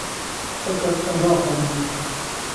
Tekez ez naxwazim vê bikim